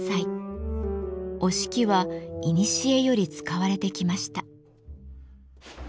折敷はいにしえより使われてきました。